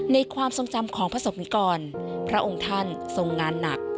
ในความทรงจำของพระสมมิตรก่อนพระองค์ท่านทรงงานหนัก